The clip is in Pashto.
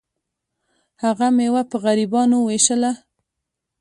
هغه میوه په غریبانو ویشله.